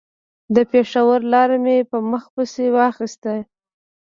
د پېښور لاره مې په مخه پسې واخيسته.